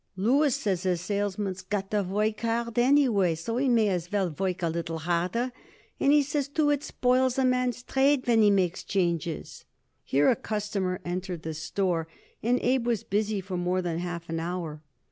Louis says a salesman's got to work hard anyhow, so he may as well work a little harder, and he says, too, it spoils a man's trade when he makes changes." Here a customer entered the store and Abe was busy for more than half an hour.